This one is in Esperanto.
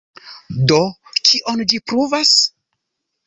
Do kion ĝi pruvas?